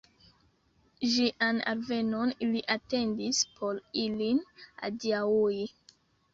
Ĝian alvenon ili atendis, por ilin adiaŭi.